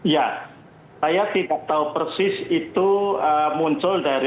ya saya tidak tahu persis itu muncul dari